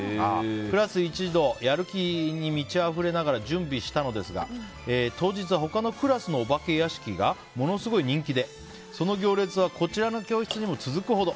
クラス一同やる気に満ちあふれながら準備したのですが当日は他のクラスのお化け屋敷がものすごい人気でその行列はこちらの教室まで続くほど。